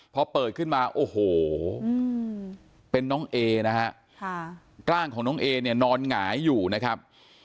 พอเปิดขึ้นมาโอ้โหเป็นน้องเอนะฮะร่างของน้องเอเนี่ยนอนหงายอยู่นะครับ